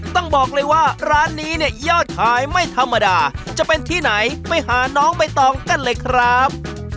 ต้องบอกเลยว่าร้านนี้เนี่ยยอดขายไม่ธรรมดาจะเป็นที่ไหนไปหาน้องใบตองกันเลยครับ